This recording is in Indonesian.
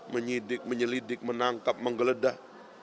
menyidik menyelidik menangkap menggeledah